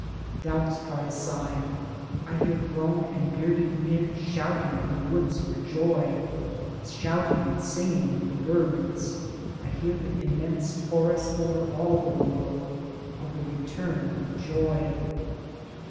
Doubt parts aside. I hear grown and bearded men shouting in the woods for joy, shouting singing with the birds ; I hear the immense chorus over all the world, of the Return to Joy.